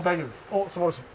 おっ素晴らしい。